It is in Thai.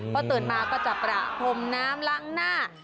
พอตื่นมาก็จะประพรมน้ำล้างหน้า